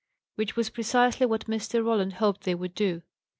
Which was precisely what Mr. Roland hoped they would do.